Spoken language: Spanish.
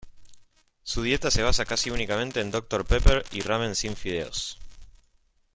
Su dieta se basa casi únicamente en Dr Pepper y Ramen sin fideos.